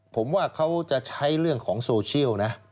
ผมว่าเขาจะใช้เรื่องของโซเชียลนะ